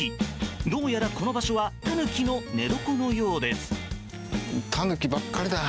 どうやらこの場所はタヌキの寝床のようです。